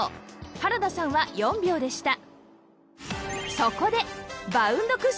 原田さんは４秒でした